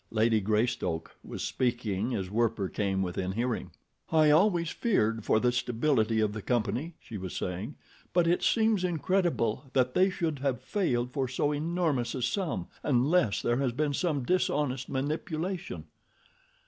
Lady Greystoke was speaking as Werper came within hearing. "I always feared for the stability of the company," she was saying; "but it seems incredible that they should have failed for so enormous a sum—unless there has been some dishonest manipulation."